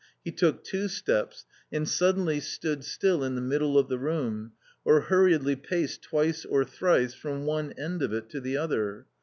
He took two steps, and suddenly stood still in the middle of the room, or hurriedly paced twice or thrice from one end of it to the other.